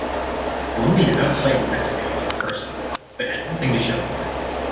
Colombia outplayed Mexico in the first half, but had nothing to show for it.